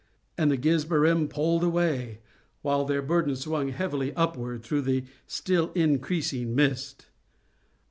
And the Gizbarim pulled away, while their burden swung heavily upward through the still increasing mist.